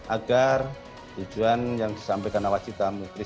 agar tujuan yang disampaikan awas kita